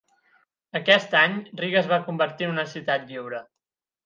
Aquest any, Riga es va convertir en una ciutat lliure.